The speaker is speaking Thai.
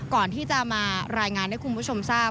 ก่อนที่จะมารายงานให้คุณผู้ชมทราบ